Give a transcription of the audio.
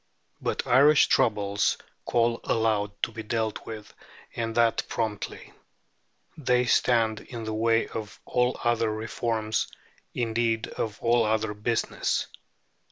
But Irish troubles call aloud to be dealt with, and that promptly. They stand in the way of all other reforms, indeed of all other business.